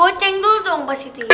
goceng dulu dong pak siti